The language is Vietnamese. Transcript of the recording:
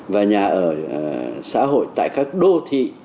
và nhà ở xã hội tại các đô thị